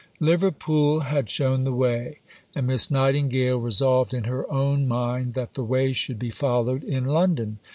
III Liverpool had shown the way, and Miss Nightingale resolved in her own mind that the way should be followed in London.